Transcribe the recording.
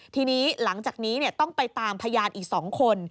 ทีนี้หลังจากนี้ต้องไปตามพยานอีก๒คน